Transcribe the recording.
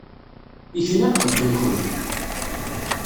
Ikna lqedd-nkent.